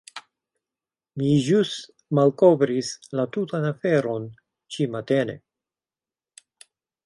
Mi ĵus malkovris la tutan aferon ĉi-matene.